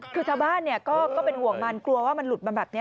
คือชาวบ้านก็เป็นห่วงมันกลัวว่ามันหลุดมาแบบนี้